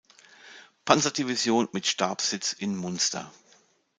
Panzerdivision mit Stabssitz in Munster.